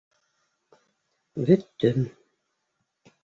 Бөттөм.